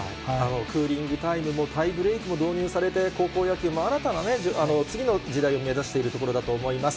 クーリングタイムも、タイブレークも導入されて、高校野球も新たなね、次の時代を目指しているところだと思います。